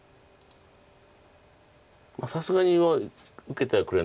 さすがに受けてはくれないですもう。